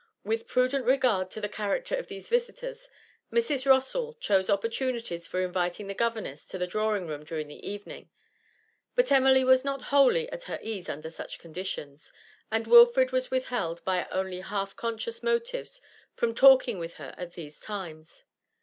With prudent regard to the character of these visitors, Mrs. Rossall chose opportunities for inviting the governess to the drawing room during the evening, but Emily was not wholly at her ease under such conditions, and Wilfrid was withheld by only half conscious motives from talking with her at these times.